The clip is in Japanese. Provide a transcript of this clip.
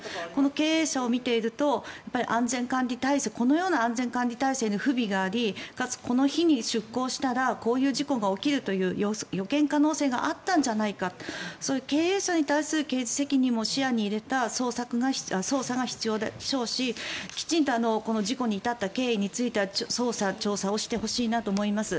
経営者を見ているとこのような安全管理体制の不備がありかつ、この日に出航したらこういう事故が起きるという予見可能性があったんじゃないか経営者に対する刑事責任も視野に入れた捜査が必要でしょうし、きちんと事故に至った経緯については捜査、調査をしてほしいなと思います。